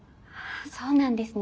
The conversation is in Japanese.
そうなんですね。